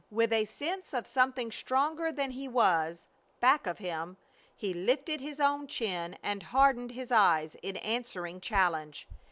With a sense of something stronger than he was back of him, he lifted his own chin and hardened his eyes in answering challenge.